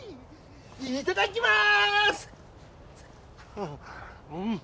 いただきます！